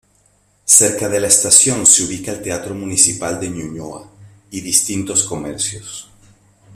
Cerca de la estación se ubica el Teatro Municipal de Ñuñoa y distintos comercios.